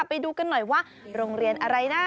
ไปดูกันหน่อยว่าโรงเรียนอะไรนะ